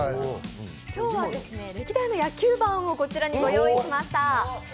今日は歴代の野球盤をこちらにご用意しました。